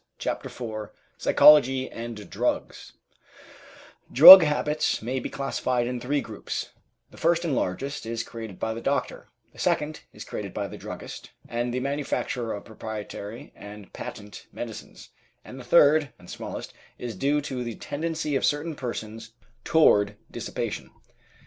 CHAPTER IV PSYCHOLOGY AND DRUGS Drug habits may be classified in three groups: the first and largest is created by the doctor, the second is created by the druggist and the manufacturer of proprietary and patent medicines, and the third, and smallest, is due to the tendency of certain persons toward dissipation.